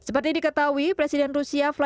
seperti diketahui presiden rusia